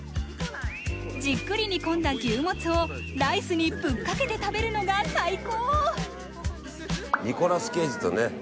じっくり煮込んだ牛もつをライスにぶっかけて食べるのが最高。